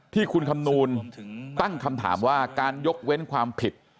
ที่คุณคำนูลตั้งคำถามว่าการยกเว้นความผิด